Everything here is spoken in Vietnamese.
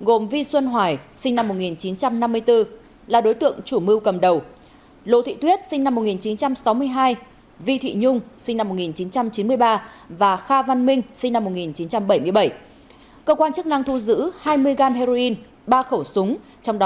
gồm vi xuân hoài sinh năm một nghìn chín trăm năm mươi bốn là đối tượng chủ mưu cầm đầu lô thị thuyết sinh năm một nghìn chín trăm sáu mươi hai vi thị nhung sinh năm một nghìn chín trăm chín mươi ba và kha văn minh sinh năm một nghìn chín trăm chín mươi bốn